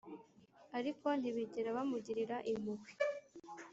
ariko ntibigera bamugirira impuhwe